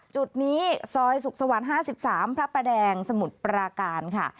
จุดนี้ซอยสุขสวรรค์๕๓พระประแดงสมุทรปราการค่ะ